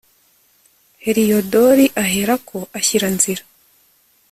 heliyodori ahera ko ashyira nzira